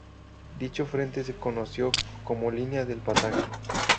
Dicho frente se conoció como Línea del Pasaje.